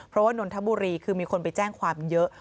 เพราะว่านนทบุรีคือมีคนไปแจ้งความเยอะ